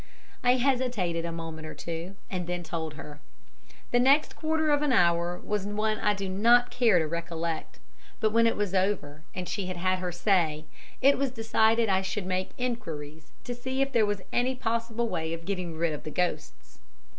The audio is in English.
I hesitated a moment or two and then told her. The next quarter of an hour was one I do not care to recollect, but when it was over, and she had had her say, it was decided I should make enquiries and see if there was any possible way of getting rid of the ghosts.